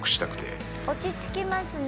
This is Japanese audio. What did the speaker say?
「落ち着きますね